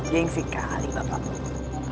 yang sekali bapak